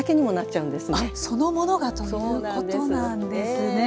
あっそのものがということなんですね。